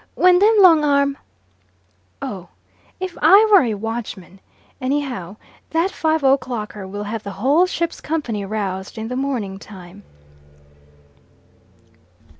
When them long arm " Oh, if I were a watchman! Anyhow, that five o'clocker will have the whole ship's company roused in the morning time.